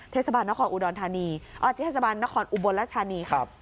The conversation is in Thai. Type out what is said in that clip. เทศบาลนครอุบลรัชานี